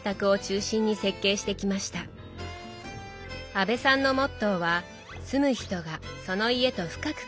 阿部さんのモットーは住む人がその家と深く関わる家づくり。